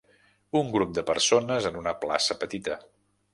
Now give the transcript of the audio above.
Un grup de persones en una plaça petita.